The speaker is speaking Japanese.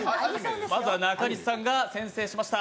まずは中西さんが先制しました。